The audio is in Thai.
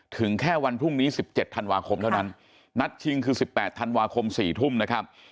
ถึงแค่วันพรุ่งนี้๑๗ธันวาคมเท่านั้นนัดชิงคือ๑๘ธันวาคม๔ทุ่มนะครับ